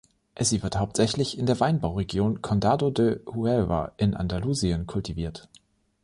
Sie wird hauptsächlich in der Weinbauregion Condado de Huelva in Andalusien kultiviert.